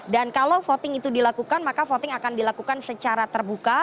dan kalau voting itu dilakukan maka voting akan dilakukan secara terbuka